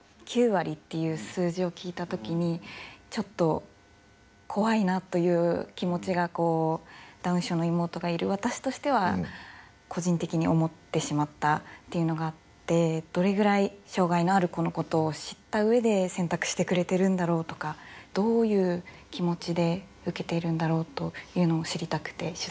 ９割っていう数字を聞いた時にちょっと怖いなという気持ちがこうダウン症の妹がいる私としては個人的に思ってしまったっていうのがあってどれぐらい障害のある子のことを知った上で選択してくれてるんだろうとかどういう気持ちで受けているんだろうというのを知りたくて取材を始めました。